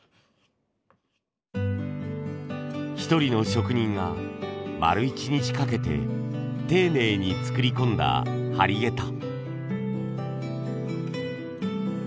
一人の職人が丸一日かけて丁寧に作り込んだ張下駄。